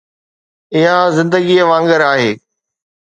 اها زندگي وانگر آهي